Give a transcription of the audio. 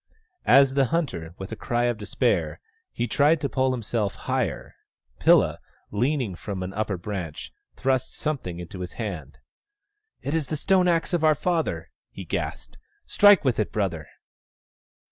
As the hunter, with a cry of despair, tried to pull himself higher, Pilla, leaning from an upper branch, thrust something into his hand. "It is the stone axe of our father," he gasped. " Strike with it, brother